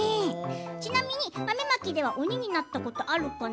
ちなみに豆まきで鬼になったことあるかな。